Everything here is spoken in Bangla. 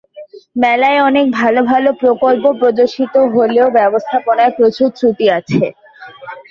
মেলায় অনেক ভালো ভালো প্রকল্প প্রদর্শিত হলেও ব্যবস্থাপনায় প্রচুর ত্রুটি রয়েছে।